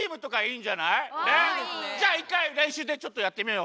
じゃあ１かいれんしゅうでちょっとやってみよう。